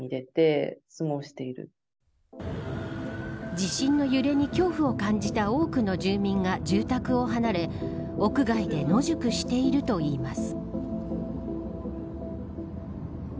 地震の揺れに恐怖を感じた多くの住民が住宅を離れ屋外で野宿しているといいます。